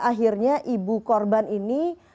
akhirnya ibu korban ini